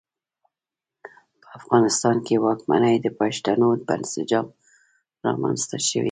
په افغانستان کې واکمنۍ د پښتنو په انسجام رامنځته شوې.